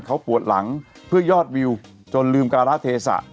เขาปวดหลังเพื่อยอดวิวจนลืมการะเทศะ